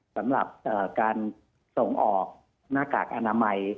สำหรับการส่งออกหน้ากากอนามัย